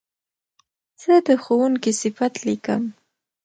زه د ښوونکي صفت لیکم.